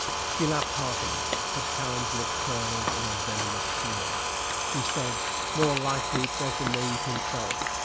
She laughed heartily, but Cowen's lip curled in a venomous sneer. He said: "More likely 'twas the knave himself.